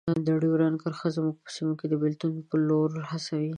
ډیورنډ کرښه زموږ په سیمو کې د بیلتون په لور هڅوي.